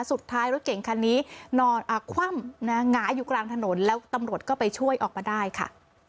รถเก่งคันนี้นอนคว่ำหงายอยู่กลางถนนแล้วตำรวจก็ไปช่วยออกมาได้ค่ะ